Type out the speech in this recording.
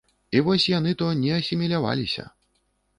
І вось яны то не асіміляваліся.